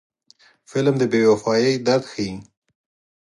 فلم د بې وفایۍ درد ښيي